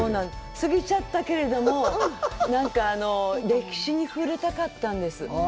過ぎちゃったけれども、なんか歴史に触れたかったんです。